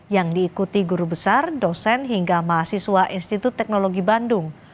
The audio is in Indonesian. yang diikuti guru besar dosen hingga mahasiswa institut teknologi bandung